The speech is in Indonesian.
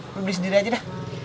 nih beli sendiri aja dah